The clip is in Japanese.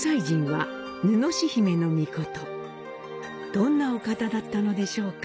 どんなお方だったのでしょうか。